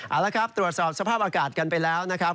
เอาละครับตรวจสอบสภาพอากาศกันไปแล้วนะครับ